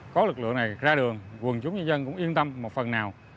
có lực lượng này ra đường quân chúng nhân dân cũng yên tâm một phần nào